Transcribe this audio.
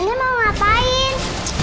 nenek nenek mau ngapain